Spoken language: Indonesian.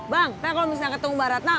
bang nah kalau misalnya ketemu mbak ratna